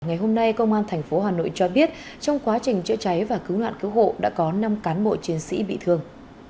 ngày hôm nay công an tp hà nội cho biết trong quá trình chữa cháy và cứu nạn cứu hộ đã có năm cán bộ chiến sĩ bị thương